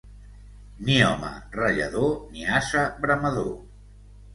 Ni home rallador ni ase bramador.